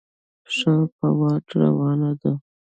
پښه په واټ روانه ده.